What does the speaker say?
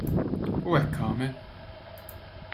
U hekk għamel.